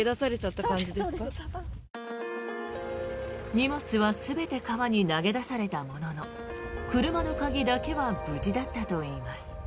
荷物は全て川に投げ出されたものの車の鍵だけは無事だったといいます。